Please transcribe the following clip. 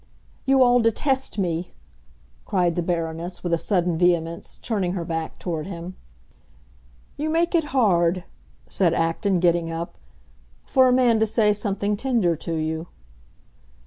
"You all detest me!" cried the Baroness, with a sudden vehemence, turning her back toward him. "You make it hard," said Acton, getting up, "for a man to say something tender to you."